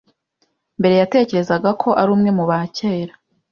mbere yatekerezaga ko ari umwe mubakera